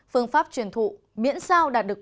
phương pháp truyền thụ miễn sao đạt được